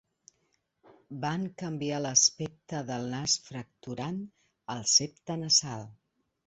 Van canviar l'aspecte del nas fracturant el septe nasal.